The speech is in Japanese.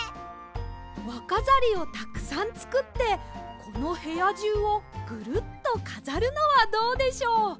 わかざりをたくさんつくってこのへやじゅうをグルッとかざるのはどうでしょう？